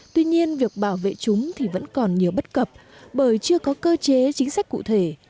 tuy nhiên việc bảo vệ chúng thì vẫn còn nhiều bất cập bởi chưa có cơ chế chính sách cụ thể